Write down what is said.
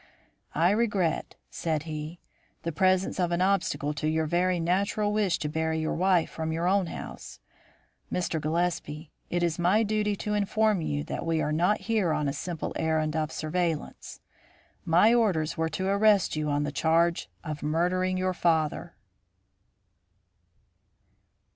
"I regret," said he, "the presence of an obstacle to your very natural wish to bury your wife from your own house. Mr. Gillespie, it is my duty to inform you that we are not here on a simple errand of surveillance: my orders were to arrest you on the charge of murdering your father."